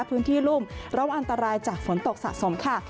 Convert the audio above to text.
พื้นที่รุ่มระวังอันตรายจากฝนตกสะสมค่ะ